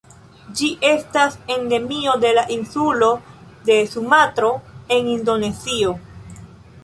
Ĝi estas endemio de la insulo de Sumatro en Indonezio.